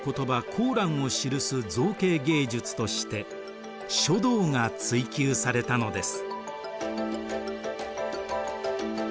コーランを記す造形芸術として書道が追求されたのです。